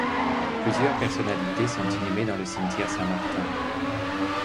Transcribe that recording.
Plusieurs personnalités sont inhumées dans le cimetière Saint-Martin.